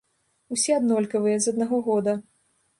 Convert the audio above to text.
Усе аднолькавыя, з аднаго года.